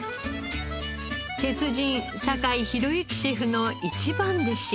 鉄人坂井宏行シェフの一番弟子。